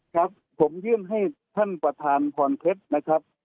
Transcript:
ครับผมยื่นให้ท่านประธานพรเพชรนะครับ